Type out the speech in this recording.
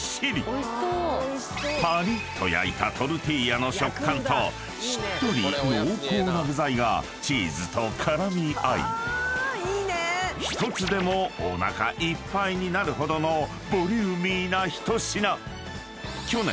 ［パリッと焼いたトルティーヤの食感としっとり濃厚な具材がチーズと絡み合い１つでもおなかいっぱいになるほどのボリューミーな一品］